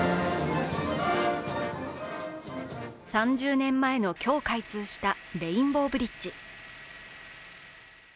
３０年前の今日開通したレインボーブリッジ。